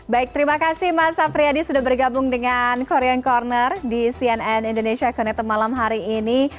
baik terima kasih mas sapriyadi sudah bergabung dengan korean corner di cnn indonesia connected malam hari ini